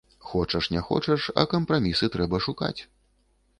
Хочаш не хочаш, а кампрамісы трэба шукаць.